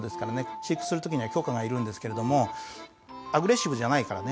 飼育する時には許可がいるんですけれどもアグレッシブじゃないからね。